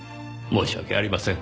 申し訳ありません